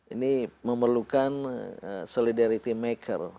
ini memerlukan solidarity maker